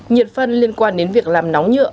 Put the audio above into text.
nhiệt phân liên quan đến việc làm nóng nhựa